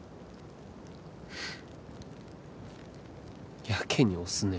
フンッやけに推すね